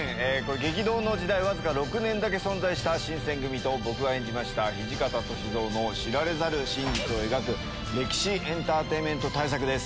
激動の時代わずか６年だけ存在した新選組と僕が演じました土方歳三の知られざる真実を描く歴史エンターテインメント大作です。